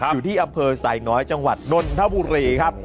อยู่ที่อำเภอไซน้อยจังหวัดนนทบุรีครับ